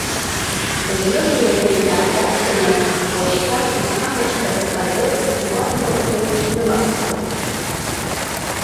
Зны-зынлагьы иааркьаҿӡаны, уашьҭан исхамыштырц азы згуаҭақуакгьы ныҟасҵон.